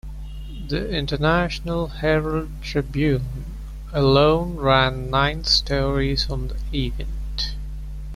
The "International Herald Tribune" alone ran nine stories on the event.